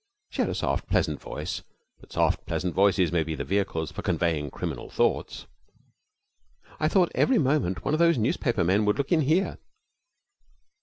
She had a soft pleasant voice; but soft, pleasant voices may be the vehicles for conveying criminal thoughts. 'I thought every moment one of those newspaper men would look in here.'